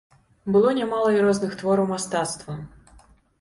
Было нямала і розных твораў мастацтва.